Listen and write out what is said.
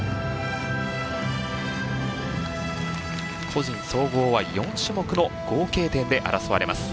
個人総合は４種目の合計点で争われます。